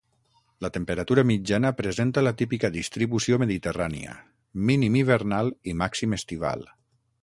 La temperatura mitjana presenta la típica distribució mediterrània, mínim hivernal i màxim estival.